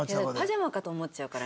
パジャマかと思っちゃうから。